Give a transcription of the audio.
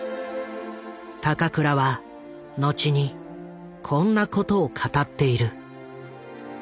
高倉は後にこんなことを語っている。